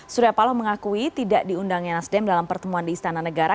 surya paloh mengakui tidak diundangnya nasdem dalam pertemuan di istana negara